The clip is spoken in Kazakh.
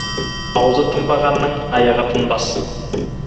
Аузы тынбағанның аяғы тынбас.